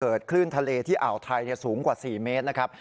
คลื่นทะเลที่อ่าวไทยสูงกว่า๔เมตรนะครับ